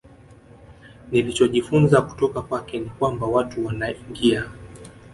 Nilichojifunza kutoka kwake ni kwamba watu wanaingia